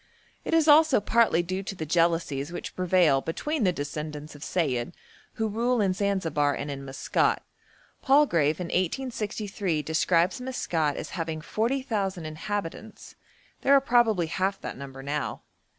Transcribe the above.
It is also partly due to the jealousies which prevail between the descendants of Sayid who rule in Zanzibar and in Maskat. Palgrave in 1863 describes Maskat as having 40,000 inhabitants; there are probably half that number now.